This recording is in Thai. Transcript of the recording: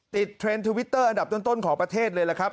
เทรนด์ทวิตเตอร์อันดับต้นของประเทศเลยล่ะครับ